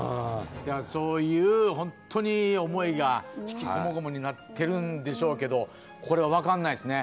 そういう本当に思いが、悲喜こもごもになってるんでしょうけど、これは分からないですね。